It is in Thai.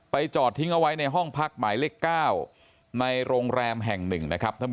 ไปจอดทิ้งเอาไว้ในห้องพักหมายเลข๙ในโรงแรมแห่ง๑